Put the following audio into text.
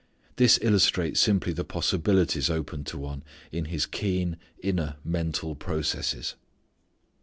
This illustrates simply the possibilities open to one in his keen inner mental processes.